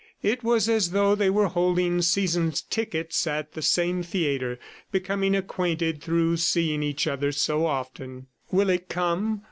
It was as though they were holding season tickets at the same theatre, becoming acquainted through seeing each other so often. "Will it come?